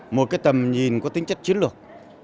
một cái tầm nhìn có tính chất chiến lược